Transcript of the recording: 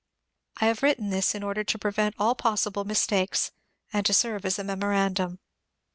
I have written this in order to prevent all possible mis takes, and to serve as a memorandum.